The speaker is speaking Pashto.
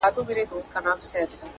په حقيقت کي دا افغان